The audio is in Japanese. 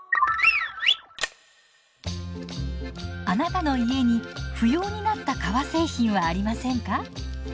あなたの家に不要になった革製品はありませんか？